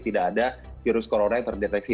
tidak ada virus corona yang terdeteksi